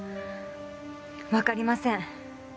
わかりません。